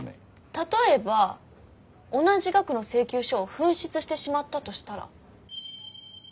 例えば同じ額の請求書を紛失してしまったとしたら。